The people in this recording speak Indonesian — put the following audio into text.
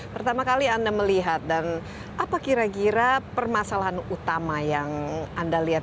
pertama kali anda melihat dan apa kira kira permasalahan utama yang anda lihat